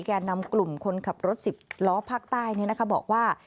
แก่นำกลุ่มคนขับรถ๑๐ล้อภาคใต้บอกว่า